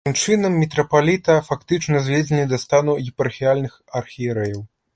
Такім чынам, мітрапаліта фактычна зведзены да стану епархіяльных архірэяў.